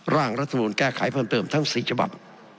ร่างรัฐมนูลแก้ไขเพิ่มเติมทั้ง๔ฉบับ